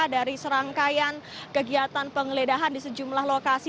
dari serangkaian kegiatan penggeledahan di sejumlah lokasi